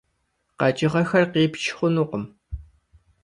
КъэкӀыгъэхэр къипч хъунукъым.